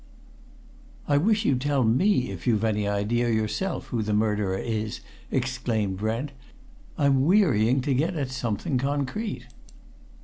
"I wish you'd tell me if you've any idea yourself who the murderer is!" exclaimed Brent. "I'm wearying to get at something concrete!"